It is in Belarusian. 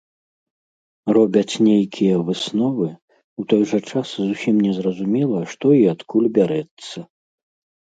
Робяць нейкія высновы, у той жа час зусім не зразумела, што і адкуль бярэцца.